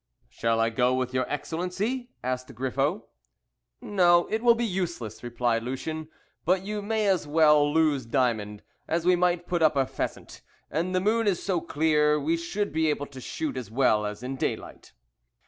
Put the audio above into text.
"Shall I go with your Excellency?" asked Griffo. "No, it will be useless," replied Lucien; "but you may as well loose Diamond, as we might put up a pheasant, and the moon is so clear we should be able to shoot as well as in daylight."